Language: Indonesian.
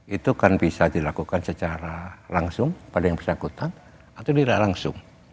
itu kan bisa dilakukan secara langsung pada yang bersangkutan atau tidak langsung